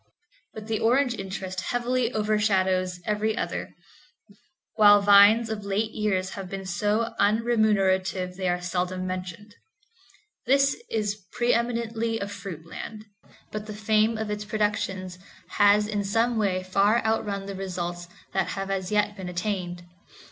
But the orange interest heavily overshadows every other, while vines have of late years been so unremunerative they are seldom mentioned. This is pre eminently a fruit land, but the fame of its productions has in some way far outrun the results that have as yet been attained.